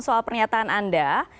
soal pernyataan anda